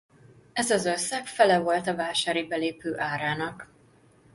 Ez az összeg fele volt a vásári belépő árának.